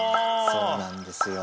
そうなんですよ。